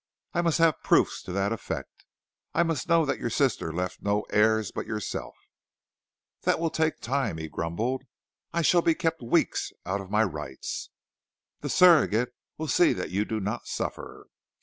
"I must have proofs to that effect. I must know that your sister left no heirs but yourself." "That will take time," he grumbled. "I shall be kept weeks out of my rights." "The Surrogate will see that you do not suffer."